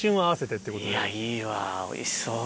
いやいいわおいしそう。